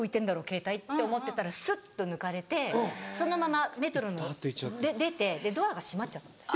ケータイって思ってたらスッと抜かれてそのままメトロ出てドアが閉まっちゃったんです。